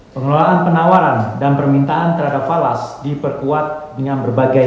pengelolaan penawaran dan permintaan peluang